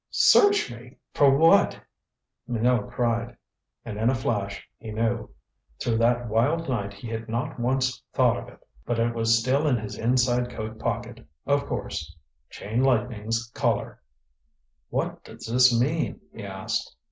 "Search me for what?" Minot cried. And in a flash, he knew. Through that wild night he had not once thought of it. But it was still in his inside coat pocket, of course. Chain Lightning's Collar! "What does this mean?" he asked.